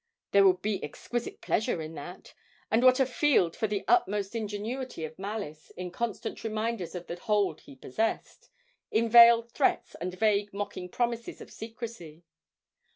There would be exquisite pleasure in that, and what a field for the utmost ingenuity of malice in constant reminders of the hold he possessed, in veiled threats, and vague mocking promises of secrecy!